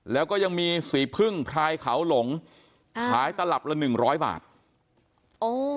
แล้วก็ยังมีสีพึ่งพลายเขาหลงขายตลับละหนึ่งร้อยบาทโอ้